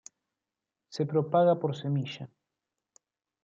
Se propaga por semilla.